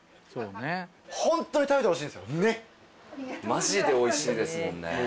マジでおいしいですもん。